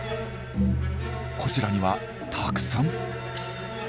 こちらにはたくさん。